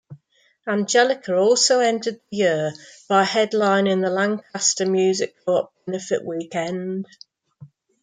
Angelica also ended the year by headlining the Lancaster Music Co-op benefit weekend.